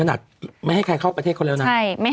ขนาดไม่ให้ใครเข้าประเทศเขาแล้วนะ